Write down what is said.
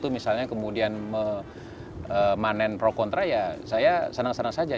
misalnya kemudian memanen pro kontra ya saya senang senang saja